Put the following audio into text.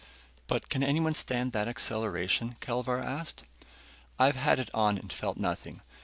"But can anyone stand that acceleration?" Kelvar asked. "I've had it on and felt nothing.